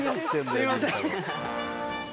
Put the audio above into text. すいません。